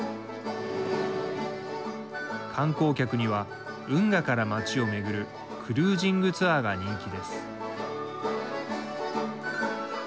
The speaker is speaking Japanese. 観光客には、運河から街を巡るクルージングツアーが人気です。